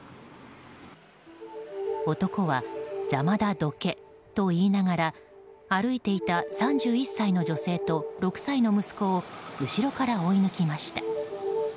男は「邪魔だ、どけ」と言いながら歩いていた３１歳の女性と６歳の息子を後ろから追い抜きました。